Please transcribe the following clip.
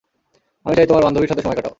আমি চাই তোমার বান্ধবীর সাথে সময় কাটাও।